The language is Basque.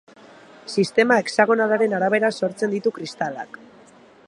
Sistema hexagonalaren arabera sortzen ditu kristalak.